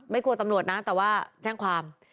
กลัวตำรวจนะแต่ว่าแจ้งความ